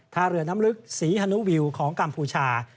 ท่าเรือน้ำลึกศรีฮานุวิวของกัมพูชา